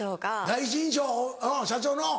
第一印象社長の。